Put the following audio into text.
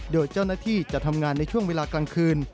โดยเจ้าหน้าที่จะทำงานในช่วงเวลากลางคืน